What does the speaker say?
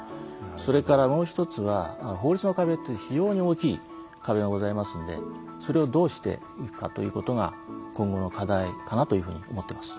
それから、もう１つは法律の壁っていう非常に大きい壁がございますのでそれをどうしていくかということが今後の課題かなというふうに思っております。